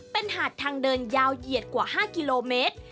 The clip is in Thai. เป็นหาดทางเดินยาวเหยียดกว่า๕กิโลเมตร